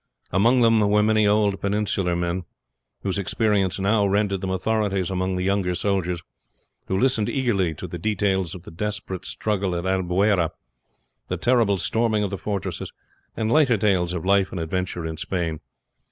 Among them were many old Peninsular men, whose experience now rendered them authorities among the younger soldiers, who listened eagerly to the details of the desperate struggle at Albuera, the terrible storming of the fortresses, and lighter tales of life and adventure in Spain.